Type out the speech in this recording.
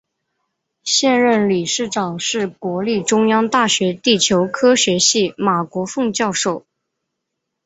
现任理事长是国立中央大学地球科学系马国凤教授。